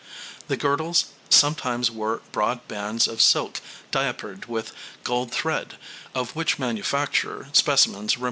The girdles sometimes were broad bands of silk diapered with gold thread, of which manufacture specimens remain to us.